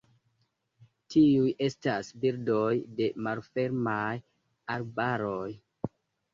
Tiuj estas birdoj de malfermaj arbaroj.